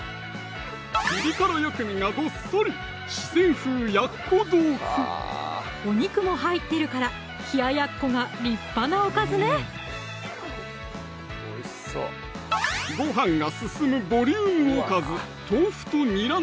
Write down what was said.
ピリ辛薬味がどっさりお肉も入ってるから冷ややっこが立派なおかずねごはんが進むボリュームおかず